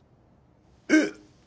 えっ。